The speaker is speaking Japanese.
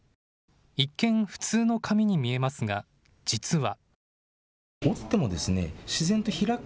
一見、普通の紙に見えますが実は。